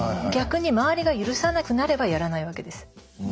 逆に周りが許さなくなればやらないわけです。